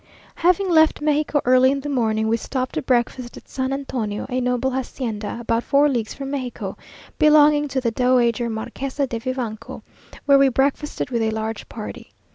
Having left Mexico early in the morning, we stopped to breakfast at San Antonio, a noble hacienda, about four leagues from Mexico, belonging to the Dowager Marquesa de Vivanco, where we breakfasted with a large party.